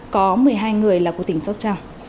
có một mươi hai người là của tỉnh sóc trăng